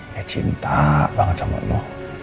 dia cinta banget sama lo